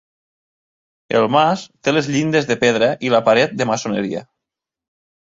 El mas té les llindes de pedra i la paret de maçoneria.